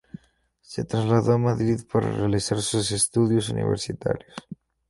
Se trasladó a Madrid para realizar sus estudios universitarios.